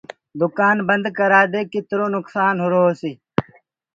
دُڪآن بنٚد ڪررآ دي ڪِترو نُڪسآن هرو هوسيٚ